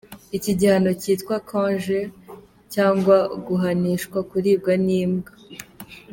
Iki gihano kitwa ‘quan jue’ cyangwa guhanishwa kuribwa n’imbwa.